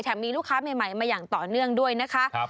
มีลูกค้าใหม่มาอย่างต่อเนื่องด้วยนะคะ